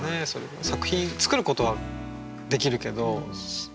作品作ることはできるけどいつでも。